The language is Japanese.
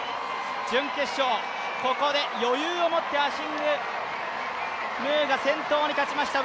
準決勝、ここで余裕をもってアシング・ムーが先頭に立ちました。